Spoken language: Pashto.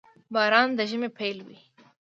• باران د ژمي پيل وي.